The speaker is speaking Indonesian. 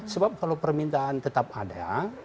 sebab kalau permintaan tetap ada